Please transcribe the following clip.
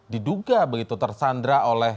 diduga begitu tersandra oleh